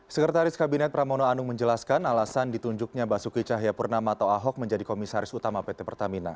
sekretaris kabinet pramono anung menjelaskan alasan ditunjuknya basuki cahayapurnama atau ahok menjadi komisaris utama pt pertamina